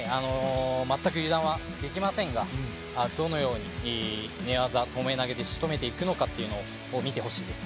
全く油断はできませんが、どのように寝技、ともえ投げで仕留めていくのか、見て欲しいです。